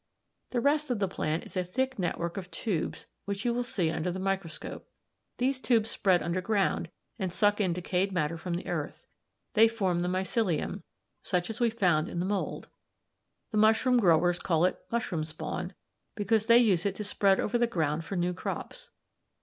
The rest of the plant is a thick network of tubes, which you will see under the third microscope. These tubes spread underground and suck in decayed matter from the earth; they form the mycelium (m, Fig. 25) such as we found in the mould. The mushroom growers call it 'mushroom spawn' because they use it to spread over the ground for new crops.